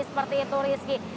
seperti itu rizky